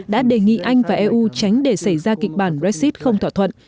đã đề nghị anh và eu tránh để xảy ra kịch bản brexit không thỏa thuận